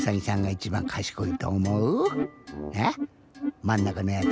まんなかのやつ？